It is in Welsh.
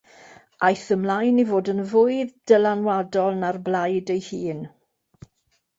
Aeth ymlaen i fod yn fwy dylanwadol na'r blaid ei hun.